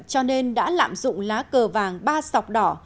cho nên đã lạm dụng lá cờ vàng ba sọc đỏ